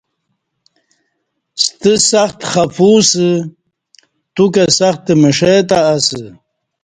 ستہ سختہ خفو اسہ، تو کہ سختہ مشہ تہ اسہ